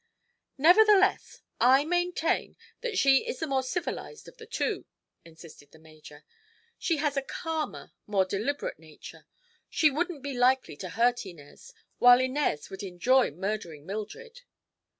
"Nevertheless, I maintain that she is the more civilized of the two," insisted the major. "She has a calmer, more deliberate nature. She wouldn't be likely to hurt Inez, while Inez would enjoy murdering Mildred."